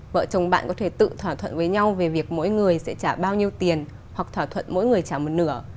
vợ chồng bạn có thể tự thỏa thuận với nhau về việc mỗi người sẽ trả bao nhiêu tiền hoặc thỏa thuận mỗi người trả một nửa